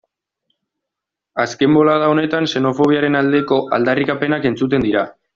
Azken bolada honetan xenofobiaren aldeko aldarrikapenak entzuten dira.